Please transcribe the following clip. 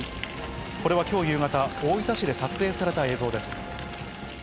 これはきょう夕方、大分市で撮影された映像です。